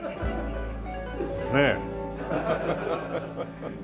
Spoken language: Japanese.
ねえ。